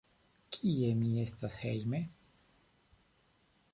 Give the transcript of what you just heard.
Kie mi estas hejme?